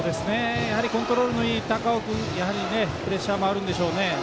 コントロールのよい高尾君プレッシャーもあるんでしょうね。